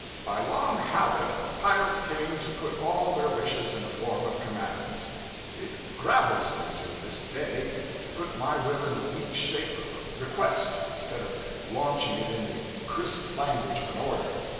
By long habit, pilots came to put all their wishes in the form of commands. It 'gravels' me, to this day, to put my will in the weak shape of a request, instead of launching it in the crisp language of an order.